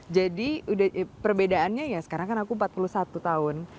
jadi perbedaannya ya sekarang kan aku empat puluh satu tahun